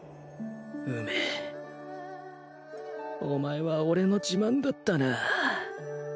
お前は俺の自慢だったなぁ